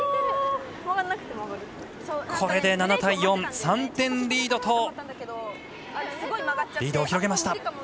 これで７対４３点リードとリードを広げました。